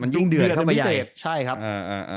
ยิ่งเดือดเข้าไปใหญ่